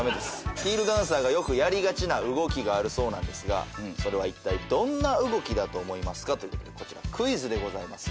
ヒールダンサーがよくやりがちな動きがあるそうなんですがそれはいったいどんな動きだと思いますか？ということでこちらクイズでございます。